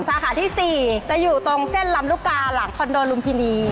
สาขาที่๔จะอยู่ตรงเส้นลำลูกกาหลังคอนโดลุมพินี